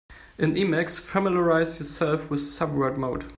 In Emacs, familiarize yourself with subword mode.